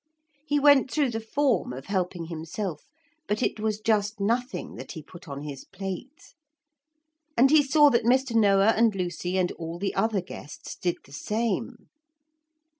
He went through the form of helping himself, but it was just nothing that he put on his plate. And he saw that Mr. Noah and Lucy and all the other guests did the same.